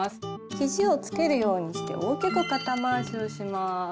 ひじをつけるようにして大きく肩回しをします。